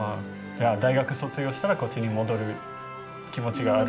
じゃあ大学卒業したらこっちに戻る気持ちがある？